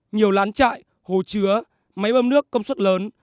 nhiều lán trại hồ chứa máy bơm nước công suất lớn